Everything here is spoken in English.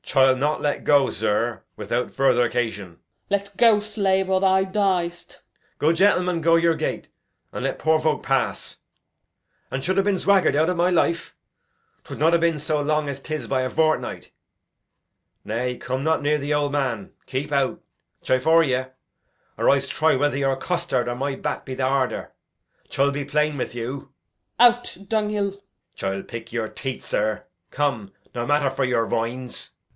Chill not let go, zir, without vurther 'cagion. Osw. Let go, slave, or thou diest! Edg. Good gentleman, go your gait, and let poor voke pass. An chud ha' bin zwagger'd out of my life, 'twould not ha' bin zo long as 'tis by a vortnight. Nay, come not near th' old man. Keep out, che vore ye, or Ise try whether your costard or my ballow be the harder. Chill be plain with you. Osw. Out, dunghill! They fight. Edg. Chill pick your teeth, zir. Come! No matter vor your foins.